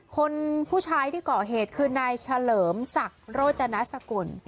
คนผู้ชายที่ก่อเหตุคือนายเฉลิมศักดิ์โรจนสกุล